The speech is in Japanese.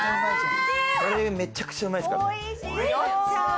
それ、めちゃくちゃうまいっすからね。